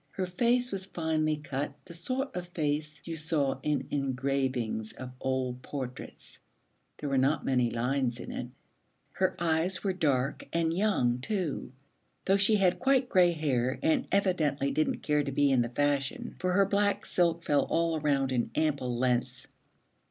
Her face was finely cut, the sort of face you saw in engravings of old portraits; there were not many lines in it. Her eyes were dark and young too, though she had quite gray hair and evidently didn't care to be in the fashion, for her black silk fell all around in ample lengths.